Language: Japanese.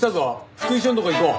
福井翔のところ行こう。